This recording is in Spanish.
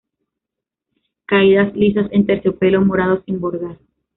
Caídas lisas en terciopelo morado sin bordar.